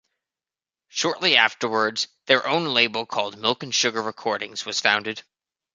Shortly afterwards, their own label called Milk and Sugar Recordings was founded.